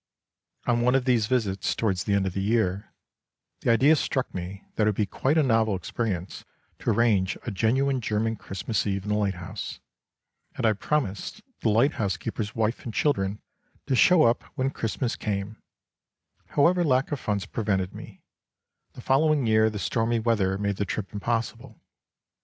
On one of these visits towards the end of the year, the idea struck me that it would be quite a novel experience to arrange a genuine German Christmas Eve in the lighthouse, and I promised the lighthousekeeper's wife and children to show up when Christmas came, however lack of funds prevented me ; the following year the stormy weather made the trip impossible.